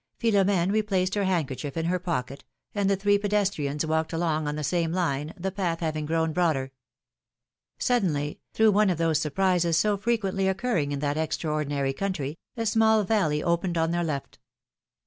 Philom^ne replaced her handkerchief in her pocket, and the three pedestrians walked along on the same line, the path having grown broader. Suddenly, through one of those surprises so frequently occurring in that extraordinary country, a small valley opened on their left.